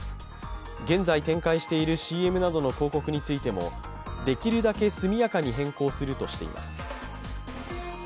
現在展開しているＣＭなどの広告についてもできるだけ速やかに変更するとしています。